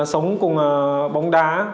sống cùng bóng đá